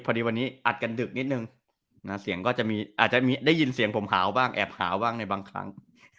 มคพอดีวันนี้อัดกันดึกนิดนึงได้ยินเสียงผมหาวบ้างแอบหาวบ้างในบางครั้ง